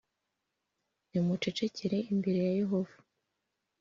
nimucecekere imbere ya Yehova